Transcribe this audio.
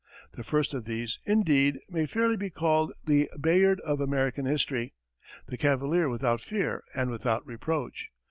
The first of these, indeed, may fairly be called the Bayard of American history, the cavalier without fear and without reproach.